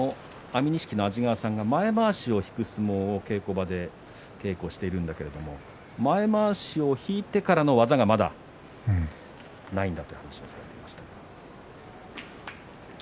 安美錦の安治川さんが前まわしを取る相撲稽古をしているんだけれども前まわしを引いてからの技がまだないんだという話をしていました。